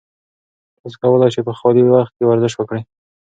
تاسي کولای شئ په خالي وخت کې ورزش وکړئ.